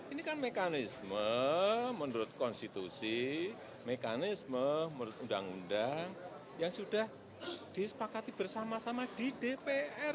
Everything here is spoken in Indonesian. ini kan mekanisme menurut konstitusi mekanisme menurut undang undang yang sudah disepakati bersama sama di dpr